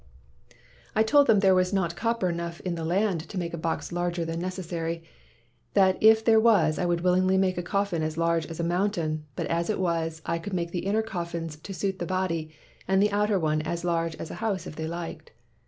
I told them there was not copper enough in the land to make a box larger than necessary; that if there Avas, I would willingly make a coffin as large as a mountain, but as it was, I could make the inner coffins to suit the body and the outer one as large as a house if they liked.